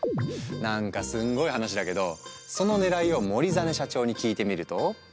なんかすんごい話だけどそのねらいを森實社長に聞いてみると。